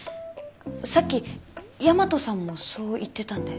さっき大和さんもそう言ってたんで。